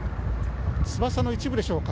翼の一部でしょうか。